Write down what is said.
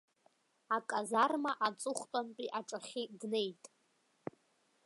Аказарма аҵыхәтәантәи аҿахьы днеит.